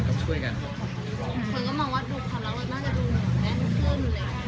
คุณก็มองว่าดูคำรักว่าน่าจะดูหนุนแรงขึ้นเลย